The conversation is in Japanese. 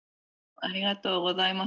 「ありがとうございます。